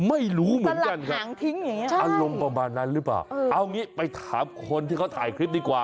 ไม่รู้เหมือนกันครับอารมณ์ประมาณนั้นหรือเปล่าเอางี้ไปถามคนที่เขาถ่ายคลิปดีกว่า